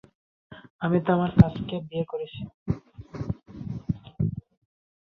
আমি তো আমার কাজকে বিয়ে করেছি!